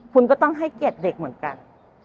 คุณก็ต้องให้เกียรติเด็กเหมือนกัน